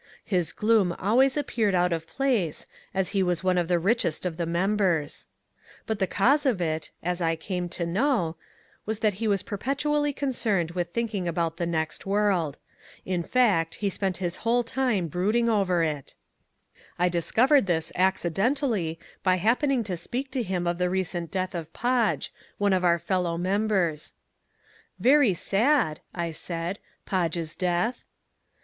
His gloom always appeared out of place as he was one of the richest of the members. But the cause of it, as I came to know, was that he was perpetually concerned with thinking about the next world. In fact he spent his whole time brooding over it. I discovered this accidentally by happening to speak to him of the recent death of Podge, one of our fellow members. "Very sad," I said, "Podge's death."